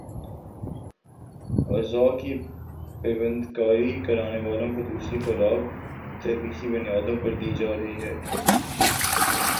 اعضا کی پیوند کاری کرانے والوں کو دوسری خوراک ترجیحی بنیادوں پر دی جارہی ہے